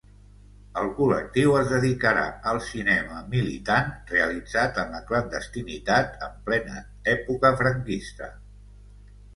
El col·lectiu es dedicarà al cinema militant realitzat en la clandestinitat en plena època franquista.